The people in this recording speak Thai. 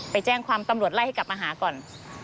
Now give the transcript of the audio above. ไปแจ้งความตำรวจไล่ให้กลับมาหาก่อน